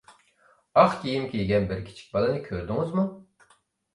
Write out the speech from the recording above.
ئاق كىيىم كىيگەن بىر كىچىك بالىنى كۆردىڭىزمۇ؟